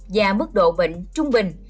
và mức độ bệnh trung bình